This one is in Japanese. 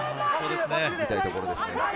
見たいところですね。